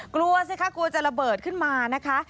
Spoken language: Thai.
กลัวที่จะระเบิดขึ้นมา